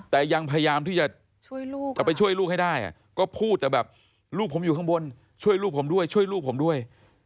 แต่ยังพยายามที่จะไปช่วยลูกให้ได้ก็พูดแบบลูกผมอยู่ข้างบนช่วยลูกผมด้วย